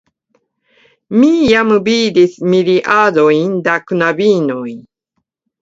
Mi jam vidis miriadojn da knabinoj.